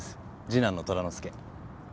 次男の寅之介。